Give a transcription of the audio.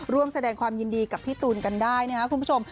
ร่วมแสดงความยินดีกับพี่ตูนกันได้นะครับคุณผู้ชม